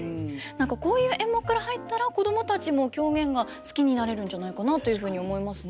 こういう演目から入ったら子供たちも狂言が好きになれるんじゃないかなというふうに思いますね。